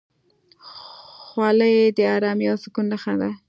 خولۍ د ارامۍ او سکون نښه ده.